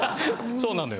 そうなのよ。